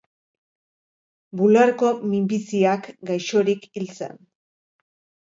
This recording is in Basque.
Bularreko minbiziak gaixorik hil zen.